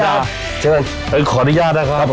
เข้าได้ขออนุญาตนะครับ